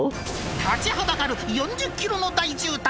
立ちはだかる４０キロの大渋滞。